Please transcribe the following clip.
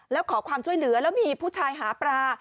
แล้วขอความช่วยเหลือแล้วมีผู้ชายหาปลา